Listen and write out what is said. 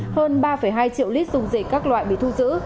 hơn ba hai triệu lít sung dây các loại bị thu giữ